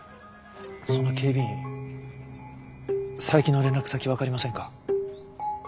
その警備員佐伯の連絡先分かりませんか？